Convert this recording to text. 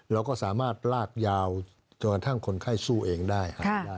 เราก็สามารถลากยาวจนกระทั่งคนไข้สู้เองได้ครับ